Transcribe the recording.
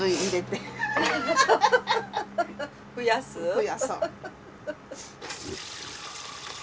増やそう。